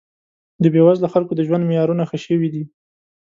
د بې وزله خلکو د ژوند معیارونه ښه شوي دي